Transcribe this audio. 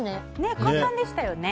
簡単でしたよね。